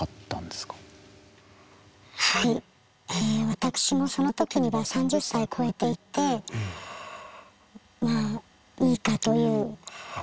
私もその時には３０歳超えていてまあいいかという。